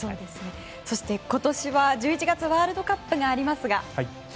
そして、今年は１１月ワールドカップがありますが。